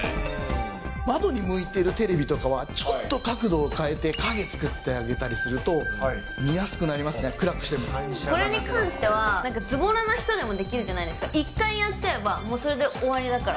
窓に向いてるテレビとかは、ちょっと角度を変えて、陰作ってあげたりすると、見やすくなりまこれに関しては、なんかずぼらな人でもできるじゃないですか、一回やっちゃえば、もうそれで終わりだから。